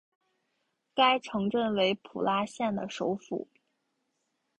该城镇为普拉县的首府。